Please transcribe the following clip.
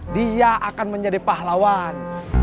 dia akan menjadi pahlawan